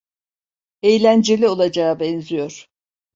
Eğlenceli olacağa benziyor.